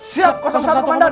siap satu komandan